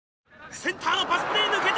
センターのパスプレー、抜けた！